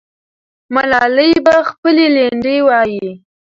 ملالۍ به خپلې لنډۍ وایي.